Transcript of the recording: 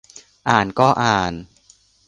อ่านก็อ่าน